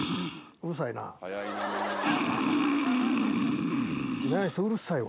うるさいわ。